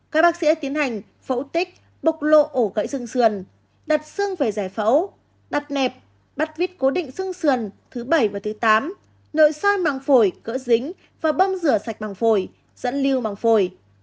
các bác sĩ đã tiến hành phẫu tích bục lộ ổ gãy xương xườn đặt xương về giải phẫu đặt nẹp bắt vít cố định xương xườn thứ bảy và thứ tám nội soi mảng phổi cỡ dính và bâm rửa sạch mảng phổi dẫn lưu mảng phổi